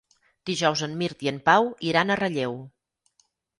Dijous en Mirt i en Pau iran a Relleu.